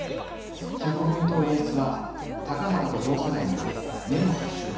脚本と演出は高畑と同世代の根本宗子。